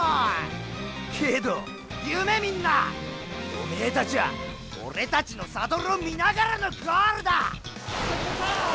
おめーたちはオレたちのサドルを見ながらのゴールだ！